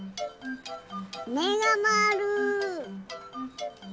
めがまわる。